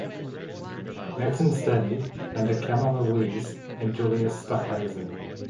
Madsen studied under Camilla Wiese and Julius Stockhausen.